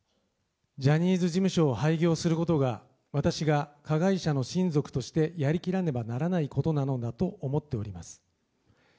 ジャニーズ事務所を廃業することが、私が加害者の親族としてやり切らねばならないことなのだと思っております。